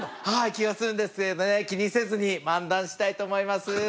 気がするんですけどね気にせずに漫談したいと思います。